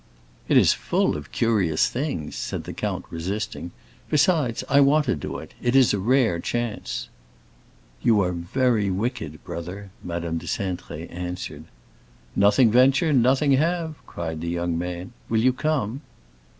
"It is full of curious things," said the count, resisting. "Besides, I want to do it; it is a rare chance." "You are very wicked, brother," Madame de Cintré answered. "Nothing venture, nothing have!" cried the young man. "Will you come?"